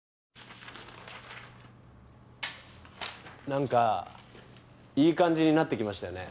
なんかいい感じになってきましたよね。